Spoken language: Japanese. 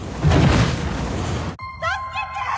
助けて！